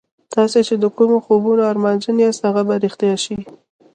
تاسې چې د کومو خوبونو ارمانجن یاست هغه به رښتیا شي